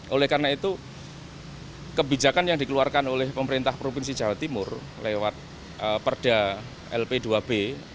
oleh karena itu kebijakan yang dikeluarkan oleh pemerintah provinsi jawa timur lewat perda lp dua b